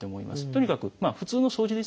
とにかく普通の掃除ですよね。